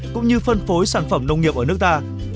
cũng như phân phối sản phẩm nông nghiệp ở nước ta